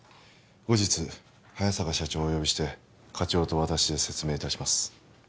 後日早坂社長をお呼びして課長と私で説明いたします